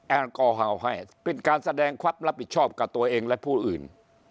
แอลกอฮาวให้เป็นการแสดงความรับผิดชอบกับตัวเองและผู้อื่น